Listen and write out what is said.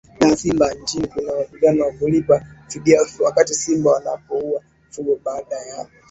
ya simba nchini kuna mpango wa kulipa fidia wakati simba anapowua mifugo badala ya